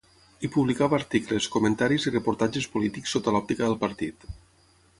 Hi publicava articles, comentaris i reportatges polítics sota l'òptica del partit.